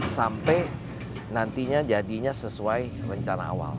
sampai nantinya jadinya sesuai rencana awal